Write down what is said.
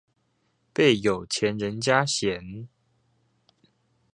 被有錢人家嫌